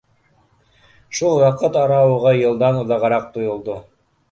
Шул ваҡыт арауығы йылдан оҙағыраҡ тойолдо.